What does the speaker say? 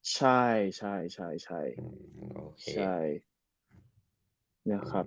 ใช่ใช่ใช่